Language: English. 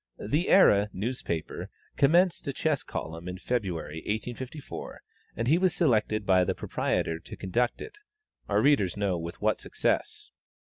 "The Era" newspaper commenced a chess column in February, 1854, and he was selected by the proprietor to conduct it our readers know with what success.